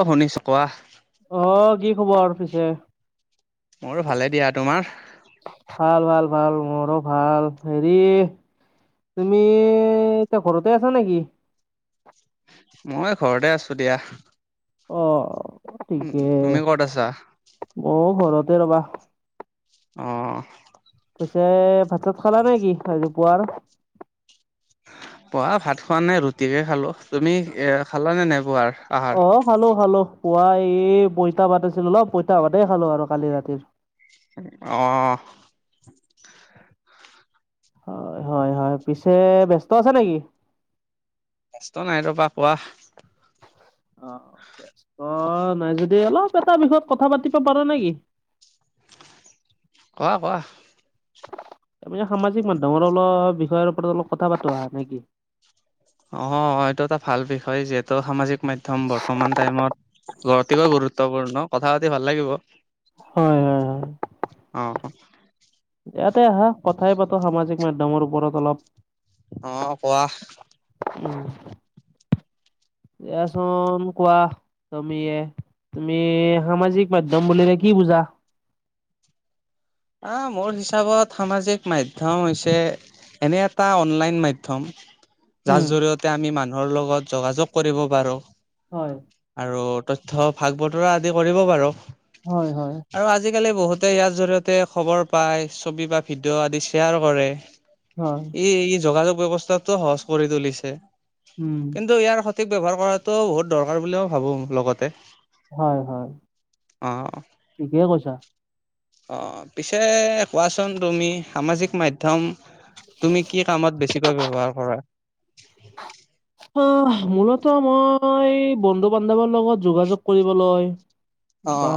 অ', শুনিছোঁ কোৱা? অ', কি খবৰ পিছে? মোৰো ভালে দিয়া! তোমাৰ? ভাল, ভাল, ভাল! মোৰো ভাল! হেৰি? তুমি এতিয়া ঘৰতে আছা নেকি? মই ঘৰতে আছো দিয়া! অ', উম ঠিকে! তুমি ক'ত আছা মই ঘৰতে ৰবা? অ'! পিছে ভাত চাত খালা নে কি? আজি পুৱাৰ! পোৱা ভাত খোৱা নাই ৰুটিকে খালোঁ? তুমি খালানে নাই পুৱাৰ! আহাৰ অ', খালো খালো! পুৱা এই পইতা ভাত আছিল অলপ পইতা ভাতে খালো আৰু কালি ৰাতিৰ! অ' হয়, হয়' হয়! পিছে ব্যস্ত আছে নেকি? ব্যস্ত নাই ৰবা পোৱা! অ', বস্ত নাই যদি অলপ এটা বিষয়ত কথা পাতিব পাৰো নে কি? কোৱা কোৱা? তাৰপিছ সামাজিক মাধ্যমৰ অলপ বিষয়ৰ ওপৰত অলপ কথা পাতো নেকি? অ', এইটো এটা ভাল বিষয়! যিহেতু সামাজিক মাধ্যম? বৰ্তমান টাইমত অতিকৈ গুৰুত্বপূৰ্ণ কথা পাতি ভাল লাগিব! হয় হয় হয়। অ', ক ইয়াতে আহা কথাই পাতো সামাজিক মাধ্যমৰ ওপৰত অলপ! অ', কোৱা! [unintelligible] এয়াচোন কোৱা? তুমি এ! সামাজিক মাধ্যম বুলিলে কি বুজা? আ', মোৰ হিচাপত সামাজিক মাধ্যম হৈছে এনে এটা অনলাইন মাধ্যম! যাৰ উম জৰিয়তে আমি মানুহৰ লগত যোগাযোগ কৰিব পাৰো! হয়! আৰু তথ্য ভাগ বতৰা আদি কৰিব পাৰো! হয়, হয়! আৰু আজিকালি বহুতে ইয়াৰ জৰিয়তে খবৰ পায়! ছবি বা ভিডিঅ' আদি শ্বেয়াৰ কৰে? হয় ই ই যোগাযোগ ব্যৱস্থাতটো সহজ কৰি তুলিছে! উম কিন্তু, ইয়াৰ স ঠিক ব্যৱহাৰ কৰাটোও বহুত দৰকাৰ বুলি ভাবো লগতে! হয়, হয়! অ ঠিকে কৈছা? অ', পিছে কোৱাচোন তুমি সামাজিক মাধ্যম তুমি কি কামত বেছিকৈ ব্যৱহাৰ কৰা! আহ, মূলত মই এই বন্ধু বান্ধৱৰ লগত যোগাযোগ কৰিবলৈ? অ বা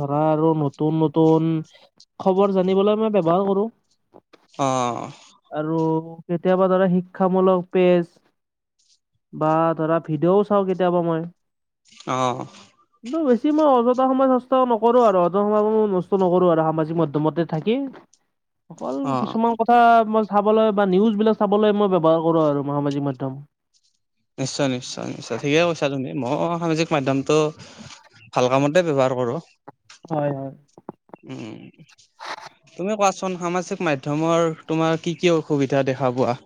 ধৰা আৰু নতুন নতুন খবৰ জানিবলৈ মই ব্যৱহাৰ কৰোঁ! অ'! আৰু কেতিয়াবা ধৰা শিক্ষামূলক পেজ বা ধৰা ভিডিঅও চাওঁ কেতিয়াবা মই? অ'। কিন্তু বেছি মই অযথা সময় নষ্ট নকৰো আৰু, অযথা সময়ই নষ্ট নকৰো আৰু সামাজিক মাধ্যমতে থাকি। [inaudible] অকল কিছুমান কথা মই চাবলৈ বা নিউজ বিলাক চাবলৈ মই ব্যৱহাৰ কৰো আৰু সামাজিক মাধ্যম। নিশ্চয়, নিশ্চয়, নিশ্চয়! ঠিকেই কৈছা তুমি! মই সামাজিক মাধ্যমতটো ভাল কামতে ব্যৱহাৰ কৰোঁ। হয়, হয়। উম। তুমি কোৱাচোন, সামাজিক মাধ্যমৰ তোমাৰ কি কি অসুবিধা দেখা পোৱা?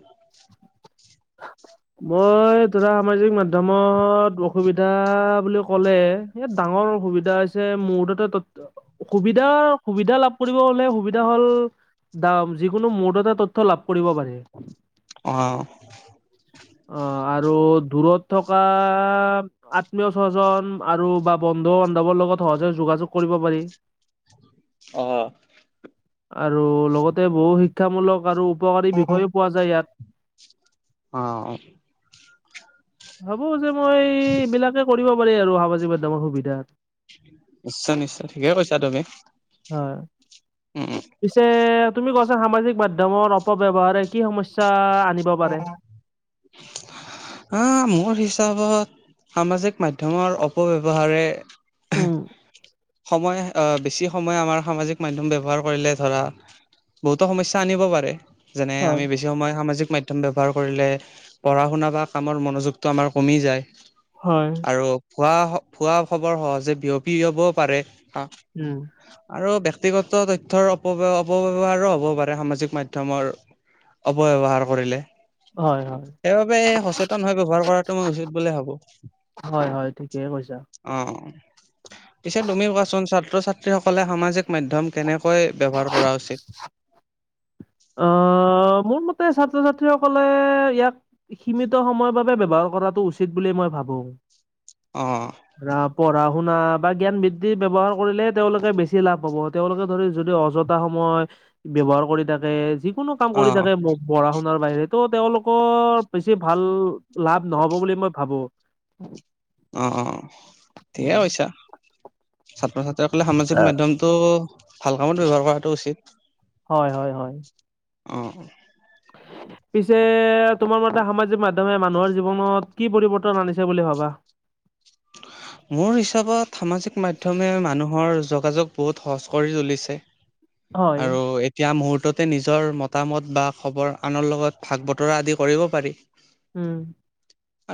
মই ধৰা, সামাজিক মাধ্যমত অসুবিধা বুলি ক'লে ইয়াত ডাঙৰ সুবিধা হৈছে, [unintelligible] অসুবিধা সুবিধা লাভ কৰিব হ'লে, সুবিধা হ'ল, দাম যিকোনো মুহূৰ্ততে তথ্য লাভ কৰিব পাৰি। অ। অ, আৰু দূৰত থকা আত্মীয় স্বজন আৰু বন্ধু-বান্ধৱৰ লগত সহজে যোগাযোগ কৰিব পাৰি। অ। আৰু লগতে বহু শিক্ষামূলক আৰু উপকাৰী বিষয়ও পোৱা যায় ইয়াত। অ, অ। হ'ব যে, মই এইবলাকে কৰিব পাৰি আৰু সামাজিক মাধ্যমৰ সুবিধাত। নিশ্চয়, নিশ্চয়, ঠিকে কৈছা তুমি। হয়। উম, পিছে তুমি কৈছা সামাজিক মাধ্যমৰ অপ অপব্যৱহাৰে কি সমস্যা আনিব পাৰে? [inaudible] হ, মোৰ হিচাপত সামাজিক মাধ্যমৰ অপব্যৱহাৰে উম। সময় আহ, বেছি সময় আমাৰ সামাজিক মাধ্যম ব্যৱহাৰ কৰিলে ধৰা বহুতো সমস্যা আনিব পাৰে, যেনে হয়, আমি বেছি বেছি সময় সামাজিক মাধ্যম ব্যৱহাৰ কৰিলে পঢ়া-শুনা বা কামৰ মনোযোগটো আমাৰ কমি যায়। হয়। আৰু ভুৱা, ভুৱা খবৰ সহজে বিয়পি যাবও পাৰে। উম। আৰু ব্যক্তিগত তথ্যৰ অপব্য় অপব্যৱহাৰো হ'ব পাৰে, সামাজিক মাধ্যমৰ। অপব্যৱহাৰ কৰিলে। হয়, হয়। সেইবাবে এই সচেতন হৈ ব্যৱহাৰ কৰাটো মই উচিত বুলি ভাবো। হয়, হয়, ঠিকে কৈছা। অ। পিছে তুমিও কোৱাচোন! ছাত্ৰ-ছাত্ৰীসকলে সামাজিক মাধ্যম কেনেকৈ ব্যৱহাৰ কৰা উচিত? আহ, মোৰ মতে ছাত্ৰ-ছাত্ৰীসকলে ইয়াক সীমিত সময়ৰ বাবে ব্যৱহাৰ কৰাটো উচিত বুলি মই ভাবো। অ। এ, পঢ়া-শুনা বা জ্ঞান বৃদ্ধি ব্যৱহাৰ কৰিলে তেওঁলোকে বেছি লাভ পাব। তেওঁলোকে ধৰি, যদি অযথা সময় ব্যৱহাৰ কৰি থাকে, যিকোনো কাম অ কৰি থাকে ম পঢ়া-শুনাৰ বাহিৰে, ত', তেওঁলোকৰ বেছি ভাল লাভ নহ'ব বুলি মই ভাবো। অ, অ, ঠিকে উম, কৈছা। ছাত্ৰ-ছাত্ৰী সকলে সামাজিক মাধ্যমটো ভাল কামত ব্যৱহাৰ কৰাটো উচিত। হয়, হয়, হয়। অ, [inaudible] পিছে তোমাৰ মতে, সামাজিক মাধ্যমে মানুহৰ জীৱনত কি পৰিৱৰ্তন আনিছে বুলি ভাবা? মোৰ হিচাপত, সামাজিক মাধ্যমে মানুহৰ যোগাযোগ বহুত সহজ কৰি তুলিছে। হয় আৰু এ এতিয়া মুহূৰ্ততে নিজৰ মতামত বা খবৰ আনৰ লগত ভাগ বতৰা আদি কৰিব পাৰি। উম,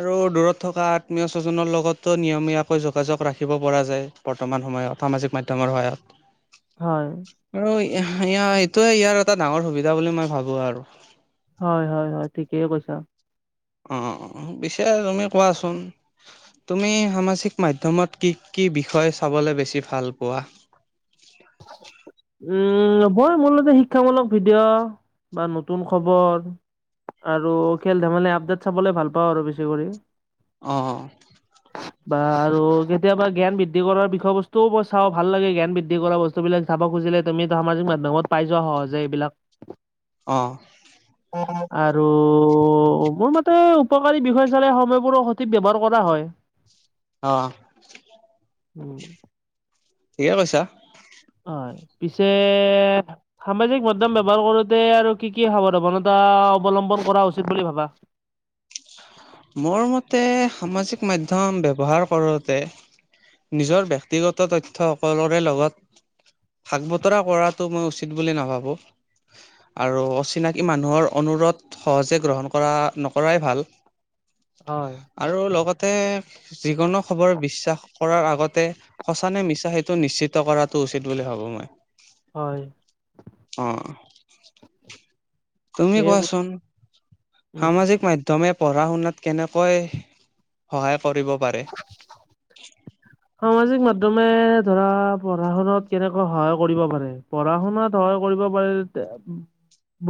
আৰু দূৰত থকা আত্মীয় স্বজনৰ লগতো, নিয়মীয়াকৈ যোগাযোগ ৰাখিব পৰা যায়। বৰ্তমান সময়ত, সামাজিক মাধ্যমৰ সহায়ত। হয়। আৰু এইটোয়ে ইয়াৰ, এটা ডাঙৰ সুবিধা বুলি মই ভাবো আৰু। হয়, হয়, হয়, ঠিকেই কৈছা। অ, পিছে তুমি কোৱাচোন? তুমি সামাজিক মাধ্যমত কি কি বিষয় চাবলৈ বেছি ভাল পোৱা? উম, ভই মোলতে, শিক্ষামূলক ভিডিঅ, বা নতুন খবৰ। আৰু খেল-ধেমালি আপডেট চাবলে ভাল পাওঁ আৰু বেছি কৰি। অ, অ, বা আৰু কেতিয়াবা জ্ঞান বৃদ্ধি কৰাৰ বিষয় বস্তুও মই চাওঁ, ভাল লাগে জ্ঞান বৃদ্ধি কৰা বস্তু বস্তুবিলাক চাব খুজিলে তুমি, সামাজিক মাধ্যমত পাই যোৱা সহজে এইবিলাক। অ, আৰু অ, মোৰ মতে উপকাৰী বিষয় চালে, সময়বোৰ সঠিক ব্যৱহাৰ কৰা হয়। অ, উম, ঠিকে কৈছা। হয়, পিছে সামাজিক মাধ্যয়ম ব্যৱহাৰ কৰোতে আৰু কি কি সাৱধাৱানতা অৱলম্বন কৰা উচিত বুলি ভাবা? মোৰ মতে সামাজিক মাধ্যম ব্যৱহাৰ কৰোঁতে নিজৰ ব্যক্তিগত তথ্য সকলৰে লগত, ভাগ, বতৰা কৰাটো মই উচিত বুলি নাভাবো। আৰু অচিনাকি মানুহৰ অনুৰোধ, সহজে গ্ৰহণ কৰা নকৰাই ভাল। হয়। আৰু লগতে যিকোনো খবৰ বিশ্বাস কৰাৰ আগতে সঁচ নে মিছা, সেইটো নিশ্চিত কৰাটো উচিত বুলি ভাবো মই। হয়। অ, ঠিকে তুমিয়েই কৈছা। কোৱাচোন, উম। সামাজিক মাধ্যম তুমি পঢ়া শুনাত কেনেকৈ, সহায় কৰিব পাৰে? [inaudible] সামাজিক মাধ্যমে ধৰা পঢ়া শুনাত, কেনেকুৱৈ সহায় কৰিব পাৰে। পঢ়া শুনাত, সহায় কৰিব পাৰি, যেতিয়া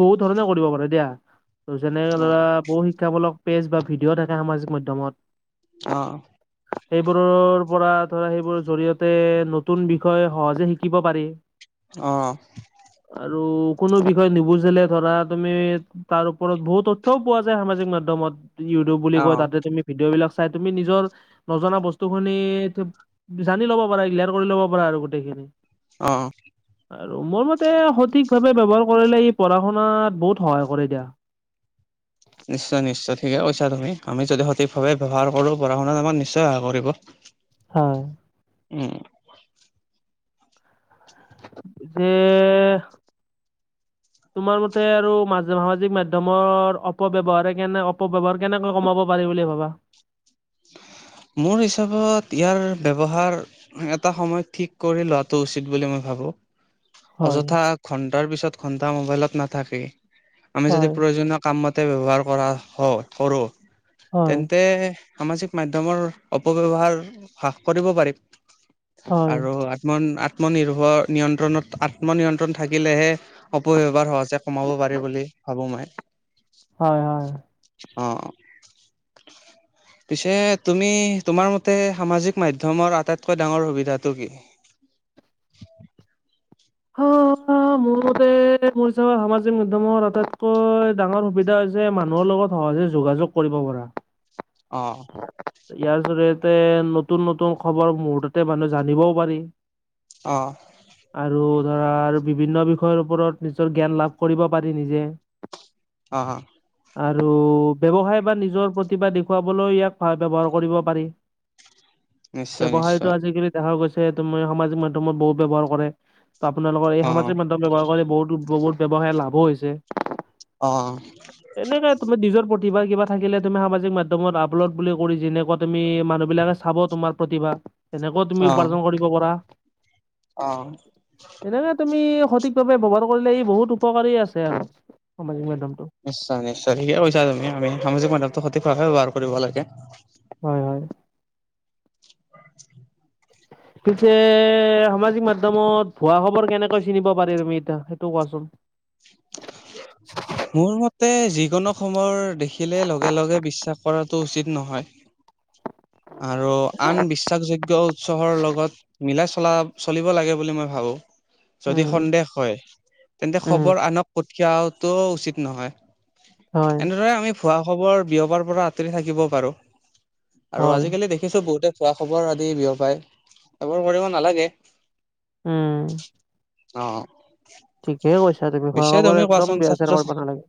বহুত ধৰণে কৰিব পাৰে দিয়া, যেনে ধৰা অ' বহু শিক্ষামূলক পেজ বা ভিডিঅ' থাকে সামাজিক মাধ্যমত। অঁ' সেইবোৰৰ- পৰা ধৰা সেইবোৰ জৰি়য়তে নতুন বিষয় সহজে শিকিব পাৰি। অঁ' আৰু কোনো বিষয় নুবুজিলে ধৰা তুমি- তাৰ ওপৰত বহু তথ্যও পোৱা যায় সামাজিক মাধ্যমত ই- টুব বুলি কয় তাতে তুমি ভিডিঅ' বিলাক চাই তুমি নিজৰ নজনা বস্তুখিনি- সেইটোত জানি ল'ব পাৰা ক্লিয়াৰ কৰি ল'ব পাৰা আৰু গোটেইখিনি। অঁ' আৰু মোৰ মতে সঠিকভাৱে ব্যৱহাৰ কৰিলে এই পঢ়া শুনাত বহুত সহায় কৰে দিয়া। নিশ্চয় নিশ্চয়, ঠিকে কৈছা তুমি আমি যদি সঠিকভাৱে ব্যৱহাৰ কৰোঁ পঢ়া শুনাত আমাক নিশ্চয় সহায় কৰিব। [inaudible] হয়। উম' পিছে তোমাৰ মতে আৰু মাজ- সামাজিক মাধ্যমৰ অপব্যৱহাৰ কেনে অপব্যৱহাৰ কেনেকৈ কমাব পাৰে বুলি ভাবা? মোৰ হিচাপত ইয়াৰ ব্যৱহাৰ- এটা সময়ত ঠিক কৰি লোৱাটো উচিত বুলি মই ভাবো। হয়, অযথা ঘন্টাৰ পিছত ঘন্টা মোবাইলত নাথাকে। আমি যদি হয়, প্ৰয়োজনীয়- কাম মতে ব্যৱহাৰ কৰা হ ধৰো, হয়, তেন্তে সামাজিক মাধ্যম- ধ্যমৰ অপব্যৱহাৰ হ্ৰাস কৰিব পাৰিম। হয়, আৰু- মন আত্মনিৰ্ভৰ নিয়ন্ত্ৰণত আত্মনিয়ন্ত্ৰণ থাকিলেহে- অপব্যৱহাৰ সহজে কমাব পাৰি বুলি ভাবো মই। হয়, হয়। অঁ, পিছে- তুমি তোমাৰ মতে সামাজিক মাধ্যমৰ আটাইতকৈ ডাঙৰ সুবিধাটো কি? [unintelligible] অঁ' মোৰতে মোৰ হিচাপত সামাজিক মাধ্যমৰ আটাইতকৈ ডাঙৰ সুবিধা হৈছে মানুহৰ লগত- সহজে যোগাযোগ কৰিব পৰা। অঁ' ইয়াৰ জৰিয়তে নতুন নতুন খবৰ মুহুৰ্ততে মানুহে জানিবও পাৰি। অঁ' আৰু- ধৰা আৰু বিভিন্ন বিষয়ৰ ওপৰত নিজৰ জ্ঞান লাভ কৰিব পাৰি নিজে। অঁ' আৰু ব্যৱসায় বা নিজৰ প্ৰতিভা দেখুৱাবলৈ ইয়াক ভাল ব্যৱহাৰ কৰিব পাৰি। [inaudible] নিশ্চয় ব্যৱসায়টো আজিকালি দেখা গৈছে ত' মানে সামাজিক মাধ্যমত বহুত ব্যৱহাৰ কৰে। ত আপোনালোকৰ এই অ সামাজিক মাধ্যম ব্যৱহাৰ কৰি বহুতো বহুত ব্যয়ৱসায় লাভো হৈছে। অঁ'। তেনেকে তুমি নিজৰ প্ৰতিভাৰ কিবা থাকিলে তুমি সামাজিক মাধ্যমত আপলোড বুলি কৰি যেনেকুৱা তুমি মানুহ বিলাকে- চাব তোমাৰ প্ৰতিভা তেনেকৈও তুমি উপাৰ্জন কৰিব পাৰা। অঁ' সেনেকে তুমি সঠিকভাৱে ব্যৱহাৰ কৰিলে এই বহুত উপকাৰী আছে আৰু সামাজিক মাধ্যমটো। নিশ্চয় নিশ্চয়। ঠিকে কৈছা তুমি, আমি সামাজিক মাধ্যমটো সঠিকভাৱে ব্যৱহাৰ কৰিব লাগে। হয়, হয় [unintelligible] পিছে সামাজিক মাধ্যমত হোৱা খবৰ কেনেকৈ চিনিব পাৰি তুমি এতিয়া সেইটো কোৱাচোন [unintelligible] মোৰ মতে যিকোনো সময়ৰ দেখিলে লগে লগে বিশ্বাস কৰাটো উচিত নহয় আৰু আন বিশ্বাসযোগ্য উৎসৰ লগত মিলাই চলা চলিব লাগে বুলি মই ভাবো যদি উম, সন্দেহ হয় তেন্তে উম, খবৰ আনক পঠিয়াটো উচিত নহয় হয়, এনেদৰে আমি হোৱা খবৰ বিয়পাৰ পৰা আঁতৰি থাকিব পাৰোঁ আৰু হয়, আজিকালি দেখিছো বহুতে খোৱা খবৰ আদি বিয় পায় এইবোৰ কৰিব নালাগে উম অহ ঠিকে কৈছ তুমি উৰা খবৰ একদম বেয়া ছাত্ৰ শেয়েৰ কৰিব নালাগে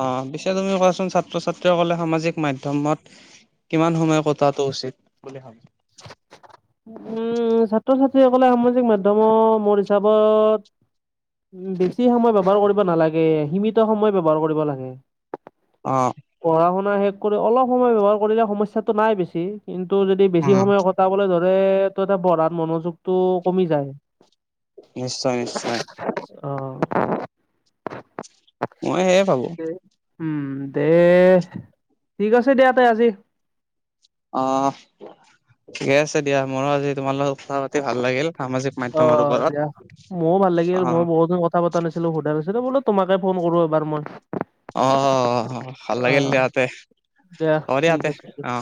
অ, 'পিছে তুমি কোৱাচোন ছাত্ৰ ছাত্ৰীসকলে সামাজিক মাধ্যমত কিমান সময় কটাটো উচিত বুলি ভাবো উম, ছাত্ৰ ছাত্ৰীসকলে সামাজিক মাধ্যমত মোৰ হিচাপত উ, বেছি সময় ব্যৱহাৰ কৰিব নালাগে সীমিত সময় ব্যৱহাৰ কৰিব লাগে অহ পঢ়া শুনা শেষ কৰি অলপ সময় ব্যৱহাৰ কৰিলে সমস্যাটো নাই বেছি কিন্তু যদি বেছি উম সময় কটাবলৈ ধৰে ত পঢ়াত মনোযোগ টো কমি যায় নিশ্চয় নিশ্চয় অ মই সেয়ে ভাবো উম দে ঠিক আছে দিয়া তে আজি অ ঠিকে আছে দিয়া মোৰো আজি তোমাৰ লগত কথা পাতি ভাল লাগিল সামাজিক অ মাধ্যমৰ ওপৰত দিয়া ময়ো ভাল লাগিল অ মই দিন ক কথা পতা নছিলো সোধা নাছিলো বোলে তোমাকে ফোন কৰো এবাৰ মই অ ভাল অ লাগিল দিয়াতে দিয়া হ'ব ঠিক দিয়াতে আছে দিয়া অ